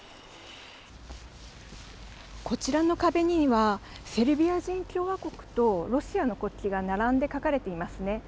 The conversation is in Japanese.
こちらの壁にはセルビア人共和国とロシアの国旗が並んで描かれていますね。